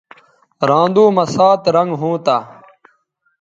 رھاندو مہ سات رنگ ھونتہ